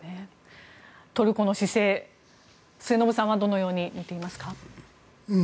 トルコの姿勢、末延さんはどのように見ていますか？